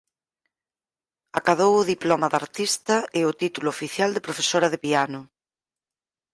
Acadou o diploma de artista e o título oficial de profesora de piano.